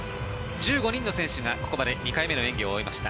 １５人の選手がここまで２回目の演技を終えました。